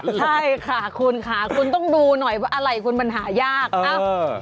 ใช่ค่ะคุณค่ะคุณต้องดูหน่อยว่าอะไรคุณมันหายากเอ้า